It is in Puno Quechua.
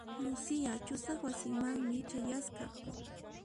Lucia ch'usaq wasimanmi chayasqa.